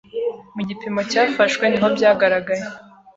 mu gipimo cyafashwe niho byagaragaye